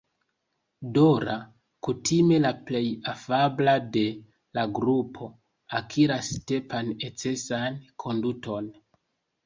Dora, kutime la plej afabla de la grupo, akiras Stepan-ecan konduton.